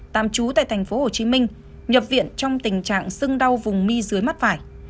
tạm trú tại tp hcm nhập viện trong tình trạng sưng đau vùng mi dưới mắt phải